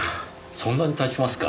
そんなに経ちますか